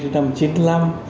chín mươi đến năm chín mươi năm